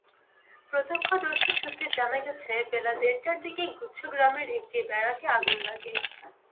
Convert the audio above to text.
প্রত্যক্ষদর্শী সূত্রে জানা গেছে, বেলা দেড়টার দিকে গুচ্ছগ্রামের একটি ব্যারাকে আগুন লাগে।